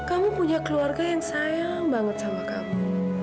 kamu punya keluarga yang sayang banget sama kamu